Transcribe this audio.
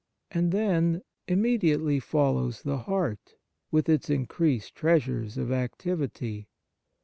And, then, immediately follows the heart with its increased treasures of activity.